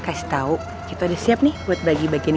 kasih tau kita udah siap nih buat bagi bagian